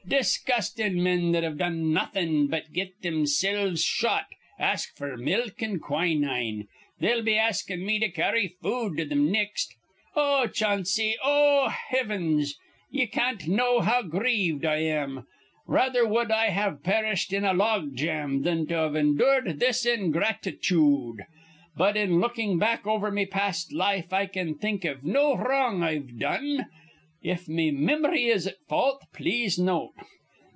Disgustin' men that've done nawthin' but get thimsilves shot, ask f'r milk an' quinine. They'll be askin' me to carry food to thim nex'. Oh, Chanse, oh, hivens, ye can't know how grieved I am! Rather wud I have perished in a logjam thin to've indured this ingratichood. But, in lookin' back over me past life, I can think iv no wrong I've done. If me mim'ry is at fault, please note.